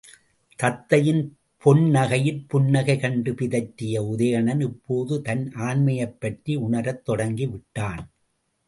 தத்தையின் பொன்னகையிற் புன்னகை கண்டு பிதற்றிய உதயணன், இப்போது தன் ஆண்மையைப் பற்றி உணரத் தொடங்கிவிட்டான்.